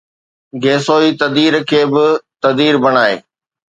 گيسوئي تَدبر کي به تَدبر بڻائي